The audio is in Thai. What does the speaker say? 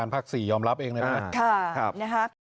ภักษียอมรับเองนะครับค่ะนะครับ